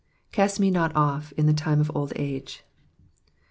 "CXm^ me not off in the time of old age.